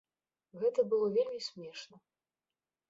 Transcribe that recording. Гэта было вельмі смешна.